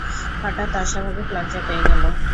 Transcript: হঠাৎ অস্বাভাবিক লজ্জা পেয়ে গেল।